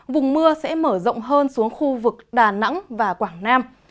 vùng mưa sẽ mở rộng hơn xuống khu vực đà nẵng và quảng nam